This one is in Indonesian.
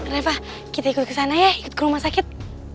reva kita ikut kesana ya ikut ke rumah sakit